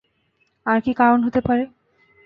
আর কি কারন হতে পারে?